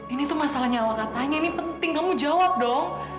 ini tuh masalah nyawa katanya ini penting kamu jawab dong